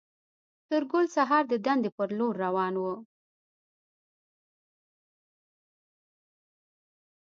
سورګل سهار د دندې پر لور روان و